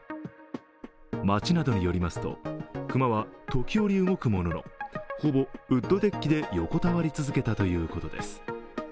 町などによりますと熊は時折動くもののほぼウッドデッキで横たわり続けたということです。